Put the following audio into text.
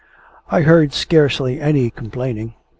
I heard scarcely any complaining.